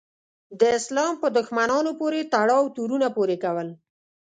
د اسلام په دښمنانو پورې تړاو تورونه پورې کول.